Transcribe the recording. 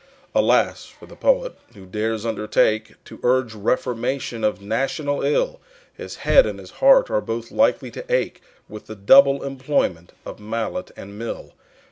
Alas for the Poet, who dares undertake To urge reformation of national ill! His head and his heart are both likely to ache With the double employment of mallet and mill.